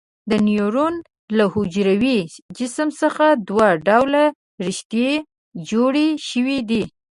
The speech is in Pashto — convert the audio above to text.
د نیورون له حجروي جسم څخه دوه ډوله رشتې جوړې شوي دي.